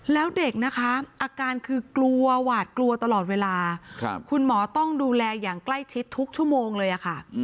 แล้วเด็กนะคะอาการคือกลัวหวาดกลัวตลอดเวลาคุณหมอต้องดูแลอย่างใกล้ชิดทุกชั่วโมงเลยค่ะ